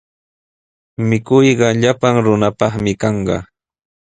Mikuyqa llapan runapaqmi kanqa.